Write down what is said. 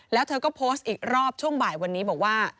แล้วเธอก็โพสต์อีกรอบช่วงบ่ายวันนี้บอกว่า